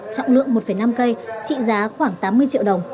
trọng lượng một năm cây trị giá khoảng tám mươi triệu đồng